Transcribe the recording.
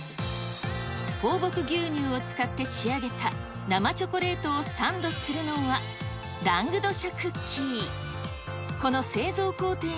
放牧牛乳を使って仕上げた生チョコレートをサンドするのは、ラングドシャクッキー。